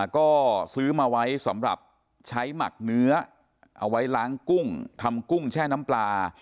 ก็ซื้อมาไว้สำหรับใช้หมักเนื้อเอาไว้ล้างกุ้งทำกุ้งแช่น้ำปลา